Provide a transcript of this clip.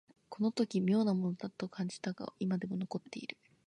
この時妙なものだと思った感じが今でも残っている